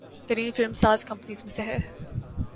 ترین film ساز companies میں سے